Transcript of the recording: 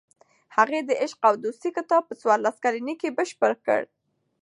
هغې د "عشق او دوستي" کتاب په څوارلس کلنۍ کې بشپړ کړ.